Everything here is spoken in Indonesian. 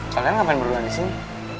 kalian ngapain berdua di sini